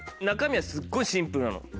中身はすっごいシンプルなの。